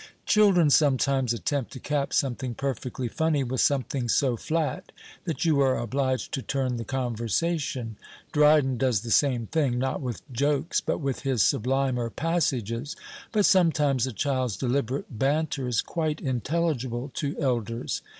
Children sometimes attempt to cap something perfectly funny with something so flat that you are obliged to turn the conversation. Dryden does the same thing, not with jokes, but with his sublimer passages. But sometimes a child's deliberate banter is quite intelligible to elders.